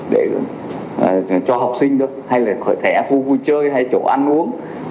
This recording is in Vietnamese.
để cho học sinh được hay là thẻ vui vui chơi hay chỗ ăn uống